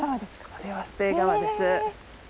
これがスペイ川です。